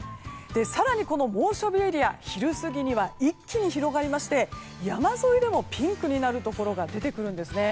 更に猛暑日エリア昼過ぎには一気に広がりまして山沿いでもピンクになるところが出てくるんですね。